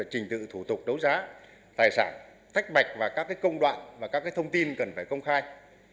hình tự thủ tục đấu giá tài sản tách mạch và các cái công đoạn và các cái thông tin cần phải công khai